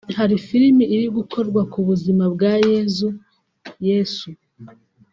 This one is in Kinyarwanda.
Hari filimi iri gukorwa ku buzima bwa Yezu (Yesu)